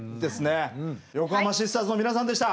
横濱シスターズの皆さんでした。